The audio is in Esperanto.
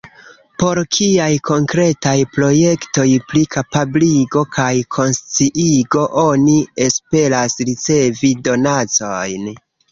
Por kiaj konkretaj projektoj pri kapabligo kaj konsciigo oni esperas ricevi donacojn?